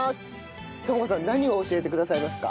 朋子さん何を教えてくださいますか？